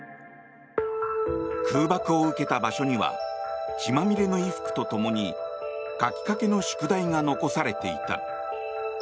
空爆を受けた場所には血まみれの衣服と共に書きかけの宿題が残されていた。